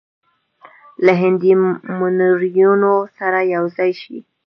له هندي منورینو سره یو ځای شي.